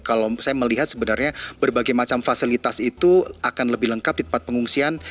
kalau saya melihat sebenarnya berbagai macam fasilitas itu akan lebih lengkap di tempat pengungsian